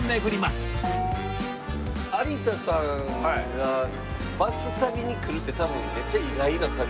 有田さんがバス旅に来るって多分めっちゃ意外な感じ。